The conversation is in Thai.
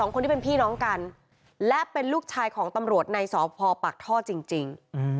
คนที่เป็นพี่น้องกันและเป็นลูกชายของตำรวจในสพปากท่อจริง